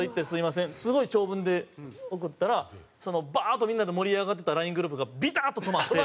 すごい長文で送ったらバーッとみんなで盛り上がってたＬＩＮＥグループがピタッと止まって。